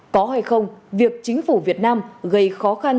có hay không việc chính phủ việt nam gây khó khăn